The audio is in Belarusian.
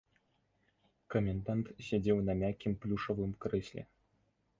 Камендант сядзеў на мяккім плюшавым крэсле.